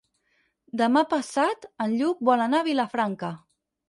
Demà passat en Lluc vol anar a Vilafranca.